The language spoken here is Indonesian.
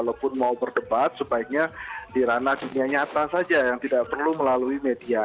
kalaupun mau berdebat sebaiknya dirana dunia nyata saja yang tidak perlu melalui media